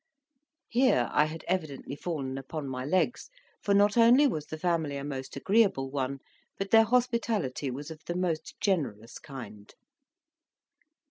Here I had evidently fallen upon my legs, for not only was the family a most agreeable one, but their hospitality was of the most generous kind.